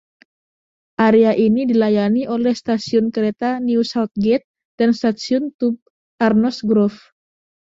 Area ini dilayani oleh stasiun kereta New Southgate dan stasiun tube Arnos Grove.